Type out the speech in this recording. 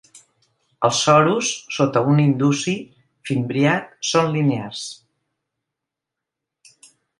Els sorus, sota un indusi fimbriat, són linears.